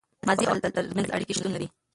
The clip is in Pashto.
د ماضي او حال تر منځ اړیکه شتون لري.